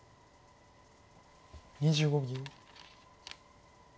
２５秒。